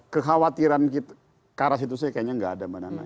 kekhawatiran karasitusnya kayaknya gak ada mbak nana